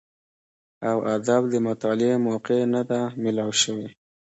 او ادب د مطالعې موقع نۀ ده ميلاو شوې